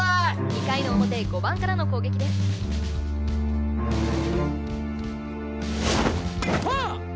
２回の表５番からの攻撃ですファウル！